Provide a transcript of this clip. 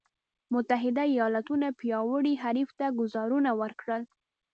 متحدو ایالتونو پیاوړي حریف ته ګوزارونه ورکړل.